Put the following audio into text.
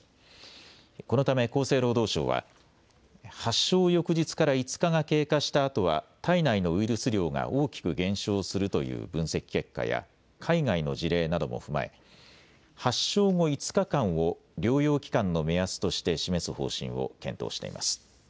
このため厚生労働省は発症翌日から５日が経過したあとは体内のウイルス量が大きく減少するという分析結果や海外の事例なども踏まえ発症後５日間を療養期間の目安として示す方針を検討しています。